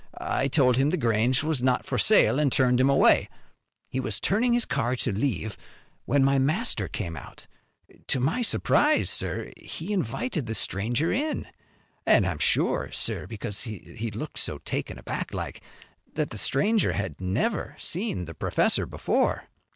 I told him The Grange was not for sale an' turned 'im away. He was turning his car to leave when my master came out. To my surprise, sir, he invited the stranger in. An' I'm sure, sir, because he looked so taken aback like, that the stranger had never seen the professor before."